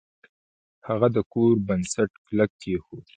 هغه د کور بنسټ کلک کیښود.